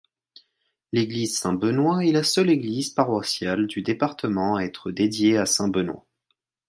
L'église Saint-Benoît est la seule église paroissiale du département à être dédiée à saint-Benoît.